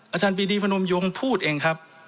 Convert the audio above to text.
อาจารย์ปีดีพนมยงพูดเองครับ